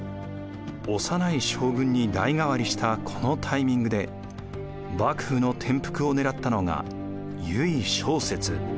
幼い将軍に代替わりしたこのタイミングで幕府の転覆を狙ったのが由井正雪。